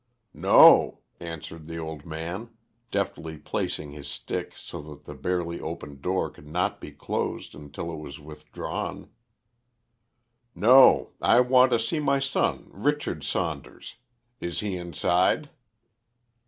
"No," answered the old man, deftly placing his stick so that the barely opened door could not be closed until it was withdrawn. "No! I want to see my son, Richard Saunders. Is he inside?"